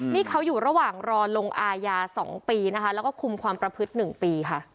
นี่เขาอยู่ระหว่างรอลงอาญา๒ปีนะคะแล้วก็คุมความประพฤติ๑ปีค่ะ